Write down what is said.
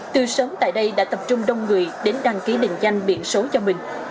từ sớm tại đây đã tập trung đông người đến đăng ký định danh biển số cho mình